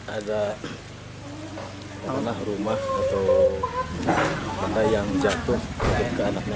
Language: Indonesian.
ada rumah atau yang jatuh buka anaknya